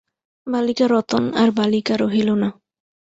বালিকা রতন আর বালিকা রহিল না।